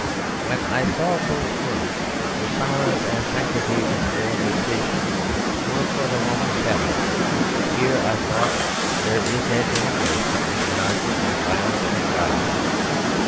When I saw those words the silence and sanctity of the railway station were for the moment shadowed. Here, I thought, there is at any rate something anarchic and violent and vile.